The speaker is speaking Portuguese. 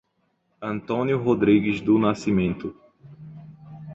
Antônio Rodrigues do Nascimento